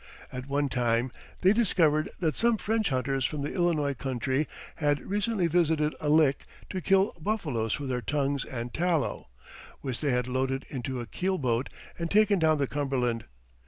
At one time they discovered that some French hunters from the Illinois country had recently visited a lick to kill buffaloes for their tongues and tallow, which they had loaded into a keel boat and taken down the Cumberland.